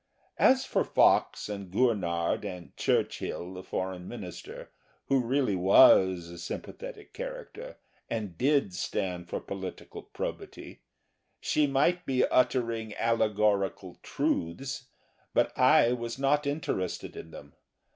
As for Fox and Gurnard and Churchill, the Foreign Minister, who really was a sympathetic character and did stand for political probity, she might be uttering allegorical truths, but I was not interested in them.